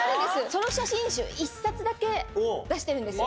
ソロ写真集、１冊だけ出してるんです。